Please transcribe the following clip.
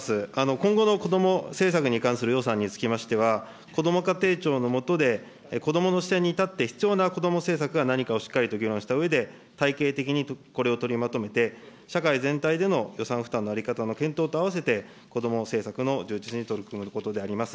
今後の子ども政策に関する予算につきましては、こども家庭庁の下で、子どもの視点に立って必要な子ども政策は何かをしっかりと議論したうえで、体系的にこれを取りまとめて、社会全体での予算負担の在り方の検討と併せて、子ども政策の充実に取り組むことであります。